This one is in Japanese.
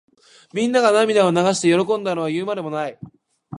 みんなが涙を流して喜んだのは言うまでもない。